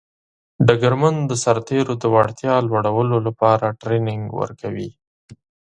ډګرمن د سرتیرو د وړتیا لوړولو لپاره ټرینینګ ورکوي.